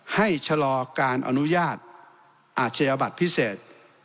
ชะลอการอนุญาตอาชญาบัตรพิเศษ